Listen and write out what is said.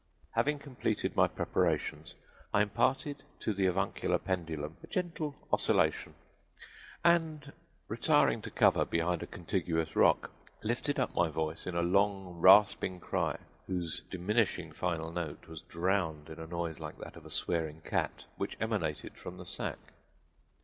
"Having completed my preparations, I imparted to the avuncular pendulum a gentle oscillation, and retiring to cover behind a contiguous rock, lifted up my voice in a long rasping cry whose diminishing final note was drowned in a noise like that of a swearing cat, which emanated from the sack.